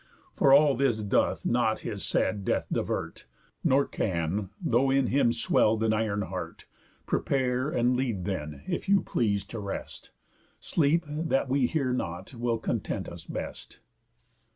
For all this doth not his sad death divert, Nor can, though in him swell'd an iron heart. Prepare, and lead then, if you please, to rest: Sleep, that we hear not, will content us best."